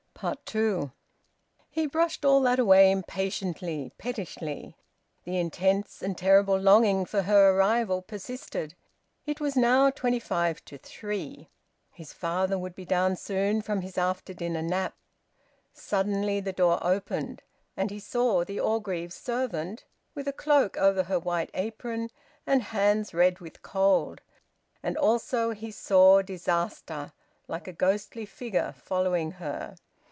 TWO. He brushed all that away impatiently, pettishly. The intense and terrible longing for her arrival persisted. It was now twenty five to three. His father would be down soon from his after dinner nap. Suddenly the door opened, and he saw the Orgreaves' servant, with a cloak over her white apron, and hands red with cold. And also he saw disaster like a ghostly figure following her.